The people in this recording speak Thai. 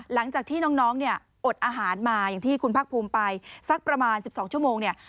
หลังจากที่น้องเนี่ยอดอาหารมาอย่างที่คุณภาคภูมิไปสักประมาณ๑๒ชั่วโมงเนี่ย